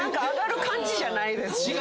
上がる感じじゃないです。